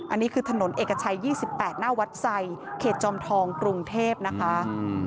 อันนี้คือถนนเอกชัย๒๘หน้าวัดไซเขตจอมทองกรุงเทพนะคะ